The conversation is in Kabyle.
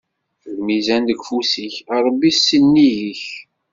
Lmizan deg ufus-ik, Ṛebbi sennig-k.